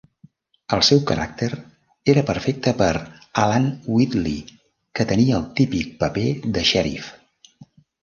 El seu caràcter era perfecte per Alan Wheatley, que tenia el típic paper de xèrif.